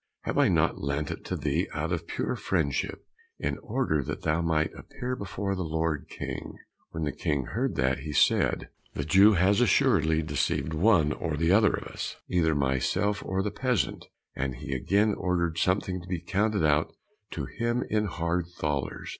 Have I not lent it to thee out of pure friendship, in order that thou might appear before the lord King?" When the King heard that, he said, "The Jew has assuredly deceived one or the other of us, either myself or the peasant," and again he ordered something to be counted out to him in hard thalers.